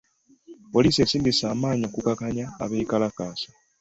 Poliisi esindise amaanyi okukakkanya abeekalakaasi.